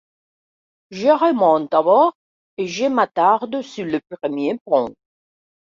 Je remonte à bord et m'attarde sur le premier pont.